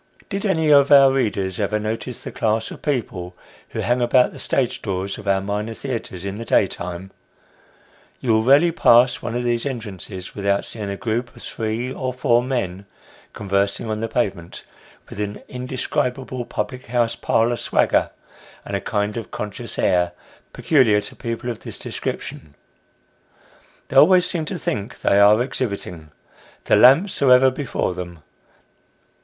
Did any of our readers ever notice the class of people, who hang about the stage doors of our minor theatres in the daytime. You will rarely pass one of these entrances without seeing a group of three or four men conversing on the pavement, with an indescribable public house parlour swagger, and a kind of conscious air, peculiar to people of this description. They always seem to think they are exhibiting ; the lamps are ever before them.